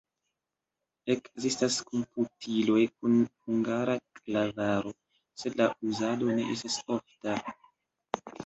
Ekzistas komputiloj kun hungara klavaro, sed la uzado ne estas ofta.